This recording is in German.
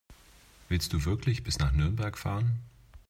Willst du wirklich bis nach Nürnberg fahren?